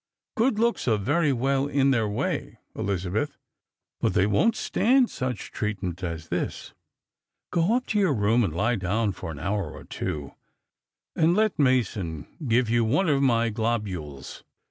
Good looks are very well in their way, Elizabeth ; but they won't stand such treatment as this. Go up to your room and lie down for an hour or two, and let Mason give you one of my globules."